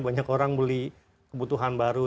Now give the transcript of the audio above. banyak orang beli kebutuhan baru